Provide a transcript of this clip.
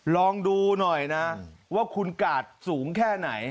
ลองดูหน่อยนะว่าคุณกาดสูงแค่ไหน